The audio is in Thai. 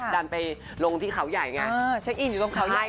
ดันไปลงที่เขาใหญ่ไงเช็คอินอยู่ตรงเขาใหญ่